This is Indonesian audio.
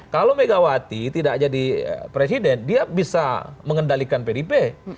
kalau megawati tidak jadi presiden dia bisa mengendalikan pdip